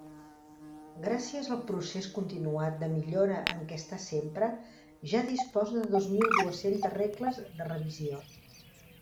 Gràcies al procés continuat de millora en què està sempre, ja disposa de dos mil dues-centes regles de revisió.